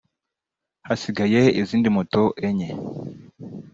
hasigaye izindi moto enye”